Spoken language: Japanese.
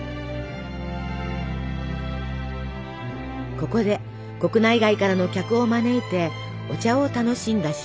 ここで国内外からの客を招いてお茶を楽しんだ渋沢。